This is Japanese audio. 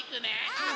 うん！